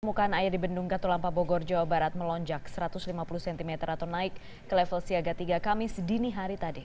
permukaan air di bendung katulampa bogor jawa barat melonjak satu ratus lima puluh cm atau naik ke level siaga tiga kamis dini hari tadi